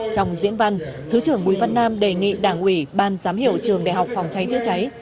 trong diễn văn thứ trưởng bùi văn nam đề nghị đảng ủy ban giám hiệu trường đại học phòng cháy chữa cháy